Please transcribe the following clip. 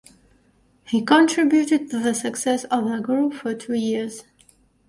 He contributed to the success of the group for two years.